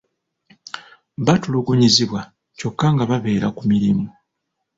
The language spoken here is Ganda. Batulugunyizibwa kyokka nga babeera ku mirimu .